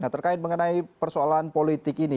nah terkait mengenai persoalan politik ini